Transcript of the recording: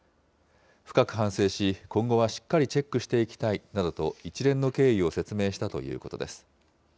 深く反省し、今後はしっかりチェックしていきたいなどと、一連の経緯を説明したということです。